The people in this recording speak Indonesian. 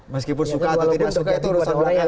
meskipun suka atau tidak suka itu urusan belakangan